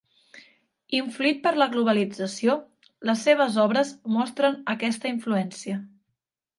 Influït per la globalització, les seues obres mostren aquesta influència.